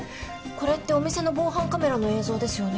これってお店の防犯カメラの映像ですよね？